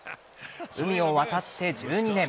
海を渡って１２年。